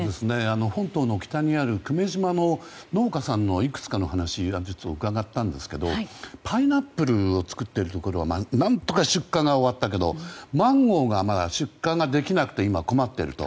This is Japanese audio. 本島の北にある久米島の農家さんのいくつかの話を伺ったんですけどパイナップルを作っているところは何とか出荷が終わったけどマンゴーがまだ出荷できなくて今、困っていると。